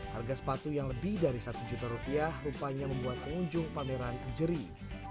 harga sepatu yang lebih dari rp satu rupanya membuat pengunjung pameran jerih